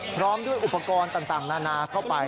พร้อมด้วยอุปกรณ์ต่างนานาเข้าไป